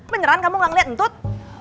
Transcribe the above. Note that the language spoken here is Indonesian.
beneran kamu gak ngeliat entut